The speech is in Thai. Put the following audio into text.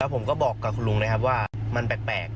ผมก็บอกกับคุณลุงนะครับว่ามันแปลก